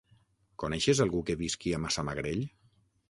Coneixes algú que visqui a Massamagrell?